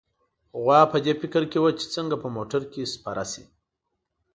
غوا په دې فکر کې وه چې څنګه په موټر کې سپور شي.